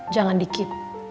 jangan di keep